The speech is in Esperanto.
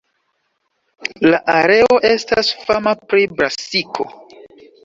La areo estas fama pri brasiko.